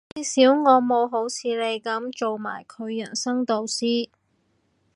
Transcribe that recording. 至少我冇好似你噉做埋佢人生導師